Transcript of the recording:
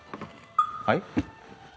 はい？